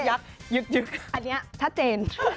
อันนี้ชัดเจน